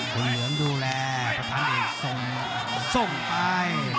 คนเหลืองดูแลประทานเอกส่งไป